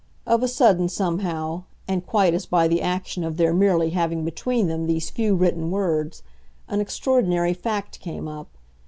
Of a sudden, somehow, and quite as by the action of their merely having between them these few written words, an extraordinary fact came up.